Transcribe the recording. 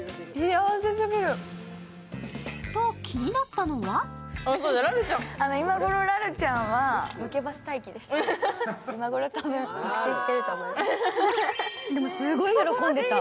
と、気になったのはでも、すごい喜んでた。